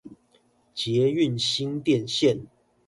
捷運新店線